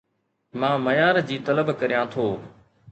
مان معيار جي طلب ڪريان ٿو